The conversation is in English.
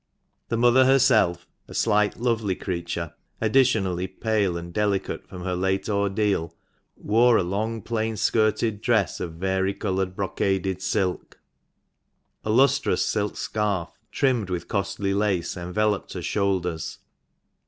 The mother herself, — a slight, lovely creature, additionally pale and delicate from her late ordeal — wore a long, plain skirted dress of vari coloured brocaded silk. A lustrous silk scarf, trimmed with costly lace, enveloped her shoulders.